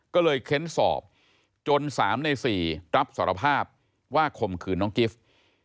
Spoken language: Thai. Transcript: ก็เลยเค้นสอบจน๓ใน๔รับสารภาพว่าข่มขืนน้องกิฟต์